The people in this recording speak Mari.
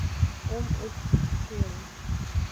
— Ом ӧпкеле.